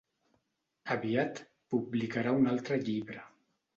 Aviat publicarà un altre llibre.